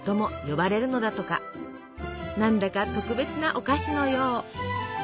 なんだか特別なお菓子のよう。